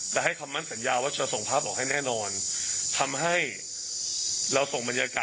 นี่นี่นี่นี่นี่นี่นี่